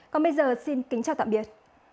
còn bây giờ xin kính chào tạm biệt